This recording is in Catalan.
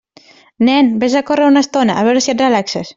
Nen, vés a córrer una estona, a veure si et relaxes.